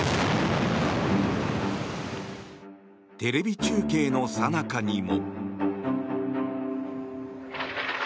テレビ中継のさなかにも。